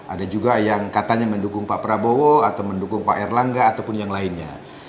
ada juga yang katanya mendukung pak prabowo atau mendukung pak erlangga ataupun yang lainnya